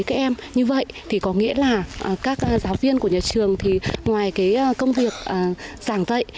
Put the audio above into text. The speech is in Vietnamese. các em như vậy thì có nghĩa là các giáo viên của nhà trường thì ngoài công việc giảng dạy